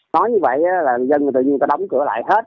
nói như vậy là dân người tự nhiên ta đóng cửa lại hết